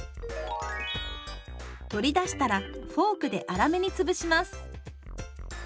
取り出したらフォークで粗めにつぶします。